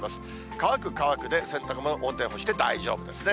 乾く、乾くで、洗濯物、表に干して大丈夫ですね。